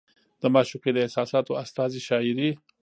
د معشوقې د احساساتو استازې شاعري